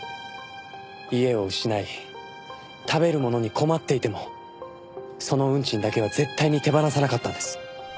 家を失い食べるものに困っていてもその運賃だけは絶対に手放さなかったんです。